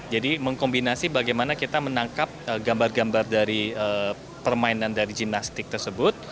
jadi mengkombinasi bagaimana kita menangkap gambar gambar dari permainan dari gimnastik tersebut